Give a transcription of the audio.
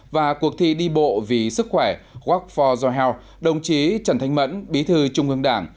và cuộc thi đi bộ vì sức khỏe walk for your health đồng chí trần thanh mẫn bí thư trung ương đảng